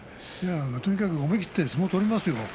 とにかく思い切り相撲取りますよ